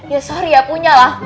ya sorry ya punya lah